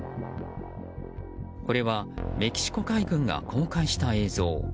これはメキシコ海軍が公開した映像。